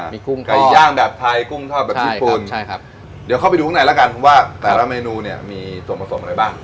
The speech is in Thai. มีกุ้งไก่ย่างแบบไทยกุ้งทอดแบบญี่ปุ่นใช่ครับเดี๋ยวเข้าไปดูข้างในแล้วกันว่าแต่ละเมนูเนี่ยมีส่วนผสมอะไรบ้าง